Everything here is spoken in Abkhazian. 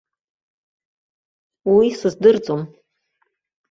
Уи сыздырӡом.